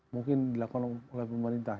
mungkin dilakukan oleh pemerintah